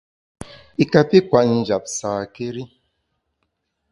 I kapi kwet njap sâkéri.